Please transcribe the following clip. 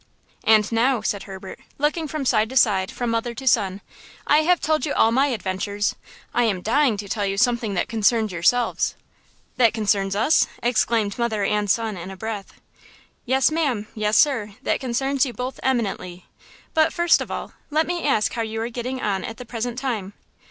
"And now," said Herbert, looking from side to side from mother to son, "I have told you all my adventures, I am dying to tell you something that concerns yourselves." "That concerns us?" exclaimed mother and son in a breath. "Yes, ma'am; yes, sir; that concerns you both eminently. But, first of all, let me ask how you are getting on at the present time."